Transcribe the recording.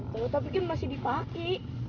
tante tapi kan masih dipake